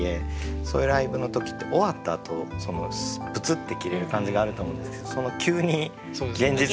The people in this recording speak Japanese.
そういうライブの時って終わったあとブツッて切れる感じがあると思うんですけどその急に現実に戻される感じが。